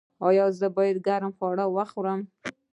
ایا زه باید ګرم خواړه وخورم؟